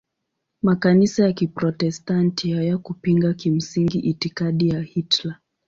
Makanisa ya Kiprotestanti hayakupinga kimsingi itikadi ya Hitler.